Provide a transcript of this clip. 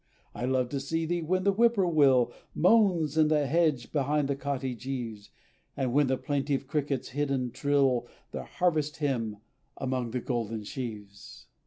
I love to see thee, when the whip poor will Moans in the hedge behind the cottage eaves; And when the plaintive crickets, hidden, trill Their harvest hymn among the golden sheaves.